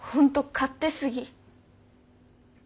勝手すぎ？